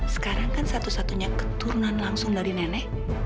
sekarang kan satu satunya keturunan langsung dari nenek